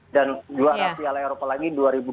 dan juara piala eropa lagi dua ribu dua belas